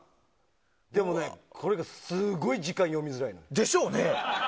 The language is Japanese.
でもこれがすごい時間読みづらいの。でしょうね。